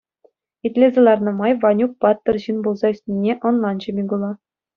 Итлесе ларнӑ май Ванюк паттӑр ҫын пулса ӳснине ӑнланчӗ Микула.